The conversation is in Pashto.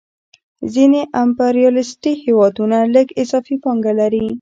ځینې امپریالیستي هېوادونه لږ اضافي پانګه لري